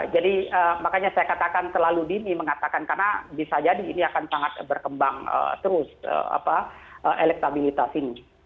jadi makanya saya katakan selalu dini mengatakan karena bisa jadi ini akan sangat berkembang terus elektabilitas ini